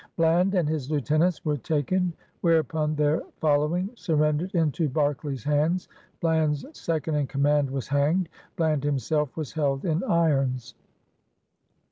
Bland and his lieutenants were taken, whereupon their follow ing surrendered into Berkeley's hands. Bland's second in command was hanged; Bland himself was held in irons.